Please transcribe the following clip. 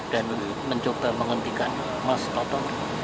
dan mencoba menghentikan mas toto